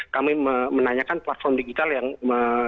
kami menanyakan platform digital yang bisa dan mau memberikan pelatihan